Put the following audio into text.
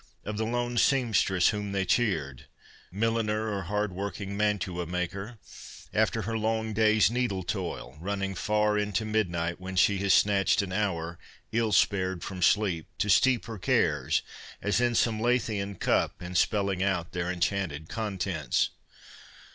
of the lone seamstress, whom they cheered (milliner or hard working mantua maker) after her long day's needle toil, running far into midnight, when she has snatched an hour, ill spared from sleep, to steep her cares, as in some Lethean cup, in spelling out their enchanting con tents